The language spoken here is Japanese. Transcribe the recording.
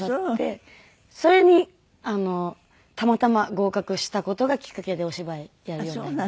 それにたまたま合格した事がきっかけでお芝居やるようになりました。